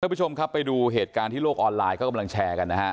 คุณผู้ชมครับไปดูเหตุการณ์ที่โลกออนไลน์เขากำลังแชร์กันนะฮะ